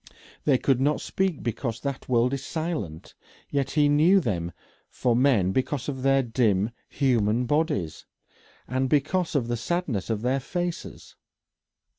They could not speak because that world is silent, yet he knew them for men because of their dim human bodies, and because of the sadness of their faces.